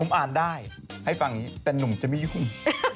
ผมอ่านได้ให้ฟังแต่หนุ่มจะไม่ยุ่ง